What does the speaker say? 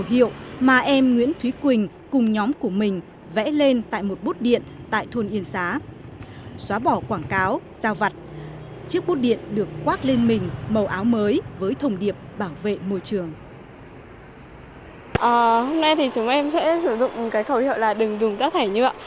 hôm nay thì chúng em sẽ sử dụng cái khẩu hiệu là đừng dùng giác thải nhựa